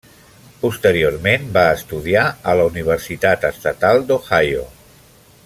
Posteriorment, va estudiar a la Universitat Estatal d'Ohio.